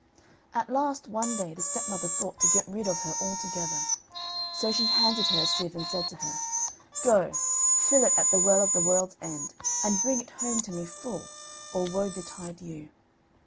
At last, one day, the stepmother thought to get rid of her altogether; so she handed her a sieve and said to her: "Go, fill it at the Well of the World's End and bring it home to me full, or woe betide you."